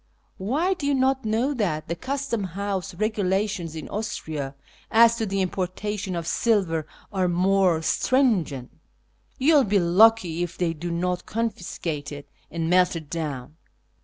Why, do you not know that the Custom House regulations in Austria as to the importation of silver are most stringent ? You will be lucky if they do not confiscate it and melt it down."